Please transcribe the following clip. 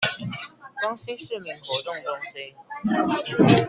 光興市民活動中心